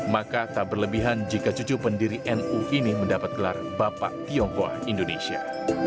maka tak berlebihan jika cucu pendiri nu ini mendapat gelar bapak tionghoa indonesia